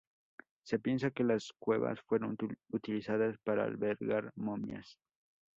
Se piensa que las cuevas fueron utilizadas para albergar momias.